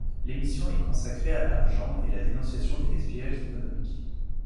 L'émission est consacrée à l'argent et la dénonciation des gaspillages économiques.